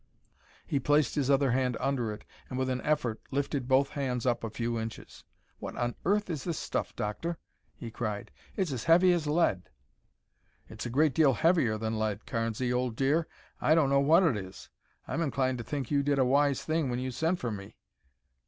He placed his other hand under it and with an effort lifted both hands up a few inches. "What on earth is this stuff, Doctor?" he cried. "It's as heavy as lead." "It's a great deal heavier than lead, Carnesy, old dear. I don't know what it is. I am inclined to think you did a wise thing when you sent for me.